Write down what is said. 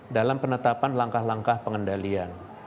dalam penetapan langkah langkah pengendalian